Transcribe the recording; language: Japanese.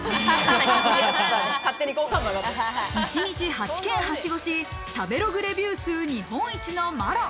一日８軒ハシゴし、食べログレビュー数、日本一のまろ。